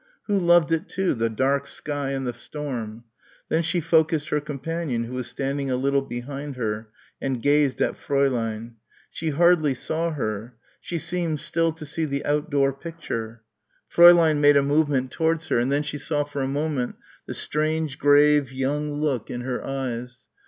Who loved it too, the dark sky and the storm? Then she focussed her companion who was standing a little behind her, and gazed at Fräulein; she hardly saw her, she seemed still to see the outdoor picture. Fräulein made a movement towards her; and then she saw for a moment the strange grave young look in her eyes.